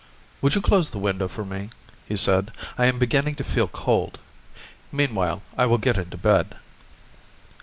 "Would you close the window for me?" he said. "I am beginning to feel cold. Meanwhile, I will get into bed."